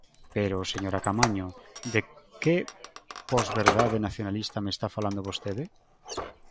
Pero, señora Caamaño, ¿de que posverdade nacionalista me está falando vostede?